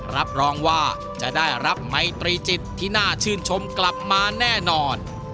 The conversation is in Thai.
รับรองว่าจะได้รับไมตรีจิตที่น่าชื่นชมกลับมาแน่นอน